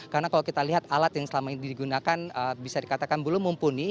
karena kalau kita lihat alat yang selama ini digunakan bisa dikatakan belum mumpuni